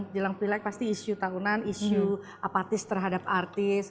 jelang pilek pasti isu tahunan isu apatis terhadap artis